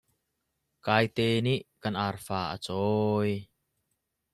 Kaite nih kan arfa a cawi.